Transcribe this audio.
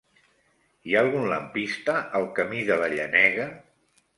Hi ha algun lampista al camí de la Llenega?